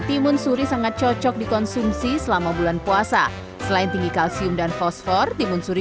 timun suri sangat cocok dikonsumsi selama bulan puasa selain tinggi kalsium dan fosfor timun suri